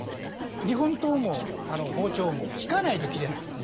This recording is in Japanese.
日本刀も包丁もひかないと切れないんです。